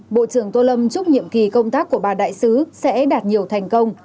bộ trưởng tô lâm chúc nhiệm kỳ công tác của bà đại sứ sẽ đạt nhiều thành công